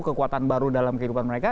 kekuatan baru dalam kehidupan mereka